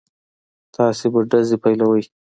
تاسې به ډزې پيلوئ.